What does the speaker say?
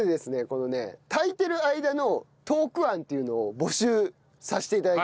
このね炊いてる間のトーク案っていうのを募集させて頂きます。